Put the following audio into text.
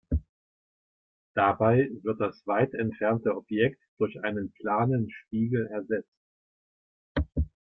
Dabei wird das weit entfernte Objekt durch einen planen Spiegel ersetzt.